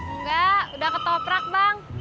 enggak udah ketoprak bang